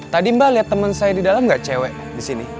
tadi mbak lihat temen saya di dalam tidak cewek disini